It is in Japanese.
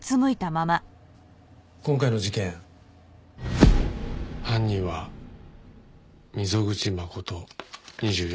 今回の事件犯人は溝口誠２４歳。